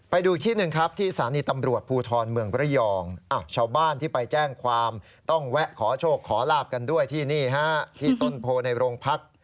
ไปดูอีกที่หนึ่งครับที่ศาลีตำรวจภูทรเมืองบรยอง